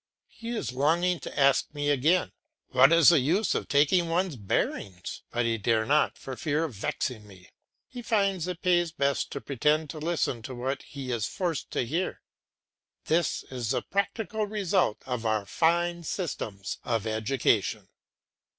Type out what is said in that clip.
He is longing to ask me again, "What is the use of taking one's bearings?" but he dare not for fear of vexing me. He finds it pays best to pretend to listen to what he is forced to hear. This is the practical result of our fine systems of education.